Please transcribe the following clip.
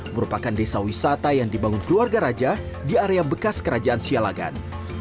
merupakan desa wisata yang dibangun keluarga raja di area bekas kerajaan sialagan